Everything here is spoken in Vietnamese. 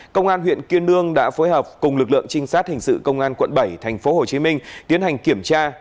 công an huyện kiên lương đã phối hợp cùng lực lượng trinh sát hình sự công an quận bảy tp hcm tiến hành kiểm tra